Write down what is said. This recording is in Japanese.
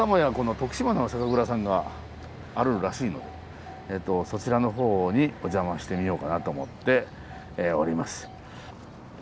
徳島の酒蔵さんがあるらしいのでそちらのほうにお邪魔してみようかなと思っております。